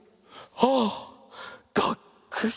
はあがっくし！